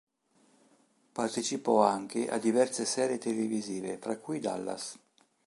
Partecipò anche a diverse serie televisive fra cui "Dallas".